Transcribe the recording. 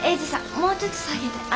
もうちょっと下げて。